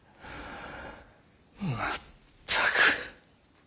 まったく。